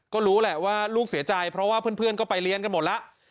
ก็รู้แหละว่าลูกเสียใจเพราะว่าเพื่อนก็ไปเรียนกันหมดแล้ว